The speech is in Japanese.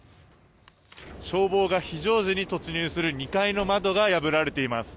消防が非常時に突入する２階の窓が破られています。